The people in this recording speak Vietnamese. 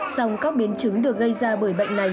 song các biến chứng được gây ra bởi bệnh này